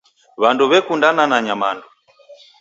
Wandu wekundana na nyamandu.